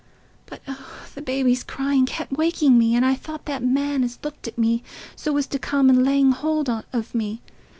But oh, the baby's crying kept waking me, and I thought that man as looked at me so was come and laying hold of me.